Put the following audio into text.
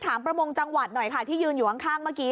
ประมงจังหวัดหน่อยค่ะที่ยืนอยู่ข้างเมื่อกี้